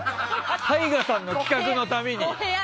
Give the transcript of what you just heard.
ＴＡＩＧＡさんの企画のたびに。